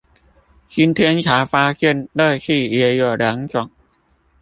今天才發現樂事也有兩種